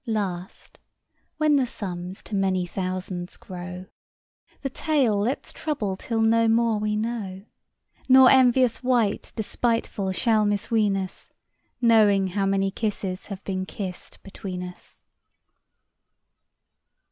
Last when the sums to many thousands grow, 10 The tale let's trouble till no more we know, Nor envious wight despiteful shall misween us Knowing how many kisses have been kissed between us.